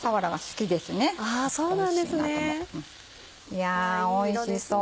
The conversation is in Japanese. いやおいしそう。